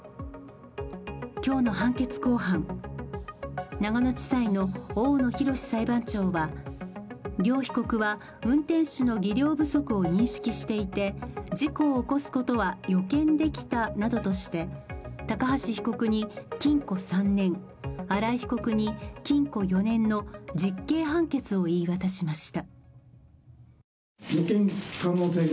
今日の判決公判、長野地裁の大野洋裁判長は、両被告は、運転手の技量不足を認識していて事故を起こすことは予見できたなどとして高橋被告に禁錮３年、荒井被告に禁錮４年の実刑判決を言い渡しました。